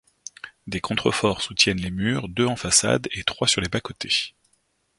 Des contreforts soutiennent les murs, deux en façade et trois sur les bas-côtés.